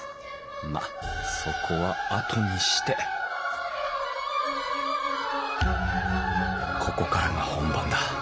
まあそこはあとにしてここからが本番だ。